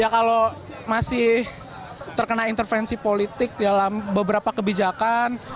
ya kalau masih terkena intervensi politik dalam beberapa kebijakan